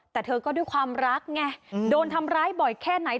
แต่เธอก็ด้วยความรักไงโดนทำร้ายบ่อยแค่ไหน